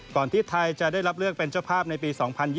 ที่ไทยจะได้รับเลือกเป็นเจ้าภาพในปี๒๐๒๐